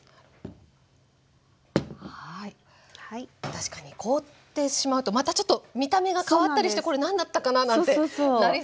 確かに凍ってしまうとまたちょっと見た目が変わったりしてこれ何だったかな？なんてなりそうですもんね。